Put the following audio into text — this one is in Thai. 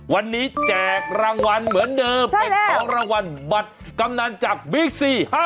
วันนี้แจกรางวัลเหมือนเดิมเป็นของรางวัลบัตรกำนันจากบิ๊กซี๕๗